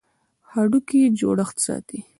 هډوکي جوړښت ساتي.